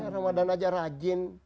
ramadan aja rajin